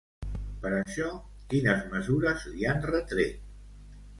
Per això, quines mesures li han retret?